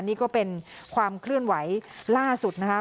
นี่ก็เป็นความเคลื่อนไหวล่าสุดนะคะ